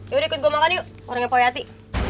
yaudah ikut gue makan yuk orangnya poyati